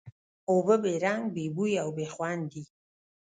اوبه بې رنګ، بې بوی او بې خوند دي.